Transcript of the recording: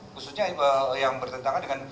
khususnya yang bertentangan dengan